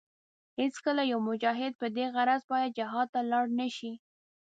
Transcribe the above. هېڅکله يو مجاهد په دې غرض باید جهاد ته لاړ نشي.